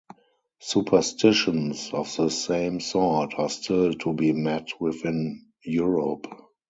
Superstitions of the same sort are still to be met with in Europe.